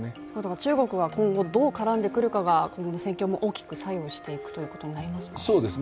中国は今後どう絡んでくるかが今後の戦況も大きく左右していくということになりますかね